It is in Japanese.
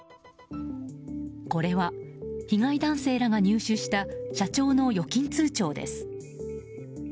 これは被害男性らが入手した社長の預金通帳です。